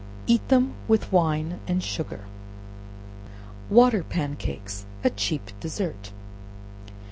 Eat them with wine and sugar. Water Pan Cakes a cheap Dessert.